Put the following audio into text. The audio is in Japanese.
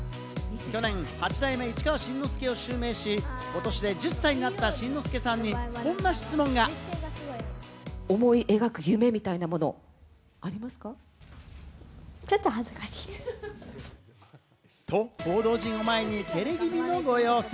去年８代目市川新之助を襲名し、今年で１０歳になった新之助さんに、こんな質問が。と、報道陣を前に照れ気味のご様子。